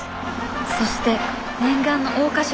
そして念願の桜花賞！